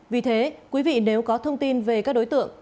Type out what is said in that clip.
vì thế quý vị nếu có thông tin về các đối tượng